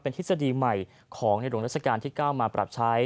เป็นทฤษฎีใหม่ของหลวงรัฐกาลที่ก้าวมาปรับใช้